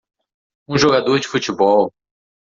um jogador de futebol